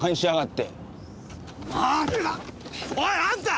おいあんた！